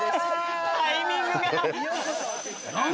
タイミングが。